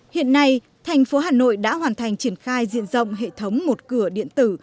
hiện nay thành phố hà nội đã hoàn thành triển khai diện rộng hệ thống một cửa điện tử